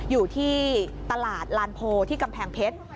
อยู่ที่ตลาดลานโพที่กำแพงเพชร